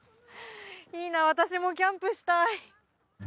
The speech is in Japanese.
いいな、私もキャンプしたい。